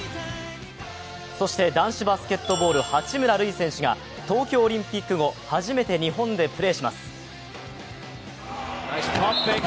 男子バスケットボール八村塁選手が東京オリンピック後、初めて日本でプレーします。